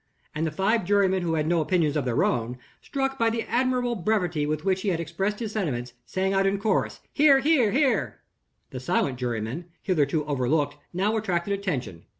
and the five jurymen who had no opinions of their own, struck by the admirable brevity with which he expressed his sentiments, sang out in chorus, "Hear! hear! hear!" The silent juryman, hitherto overlooked, now attracted attention.